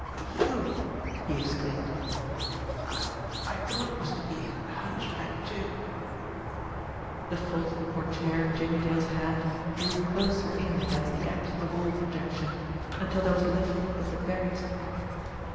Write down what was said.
"You !" he exclaimed. "I I thought it was to be Hunchback Joe." The fold of the portiere in Jimmie Dale's hand drew closer in against the edge of the wall projection until there was left but the veriest crack.